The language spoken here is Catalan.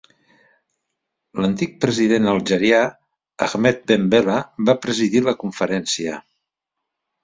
L'antic president algerià, Ahmed Ben Bella, va presidir la conferència.